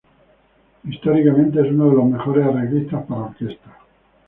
Históricamente es uno de los mejores arreglistas para orquesta.